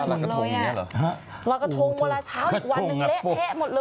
รอยกระทงเวลาเช้าอีกวันนึงเละแห้ะหมดเลย